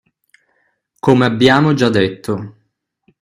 Come abbiamo già detto